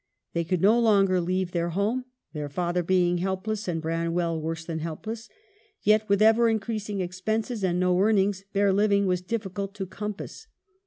They could no longer leave their home, their father being helpless and Branwell worse than helpless ; yet, with ever increasing expenses and no earnings, bare living was difficult to compass.